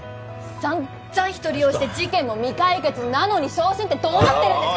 さんざん人利用して事件も未解決なのに昇進ってどうなってるんですか